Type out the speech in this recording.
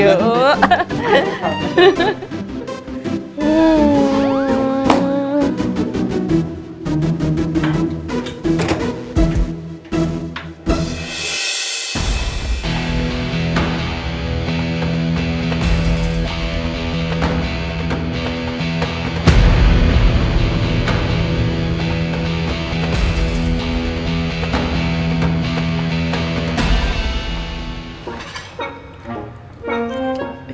ya ampun albert